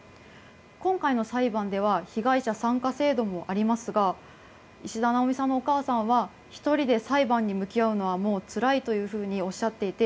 今回の裁判では被害者参加制度もありますが石田奈央美さんのお母さんは１人で裁判に向き合うのはもうつらいというふうにおっしゃっていて